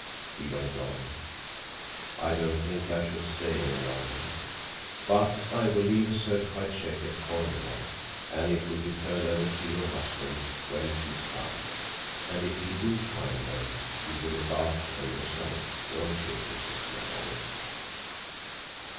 He went on: "I don't think I shall stay any longer, but I will leave a certified check at Cordova, and it will be turned over to your husband when she is found. And if you do find her, you will look after her yourself, won't you, Mrs. McCormick?"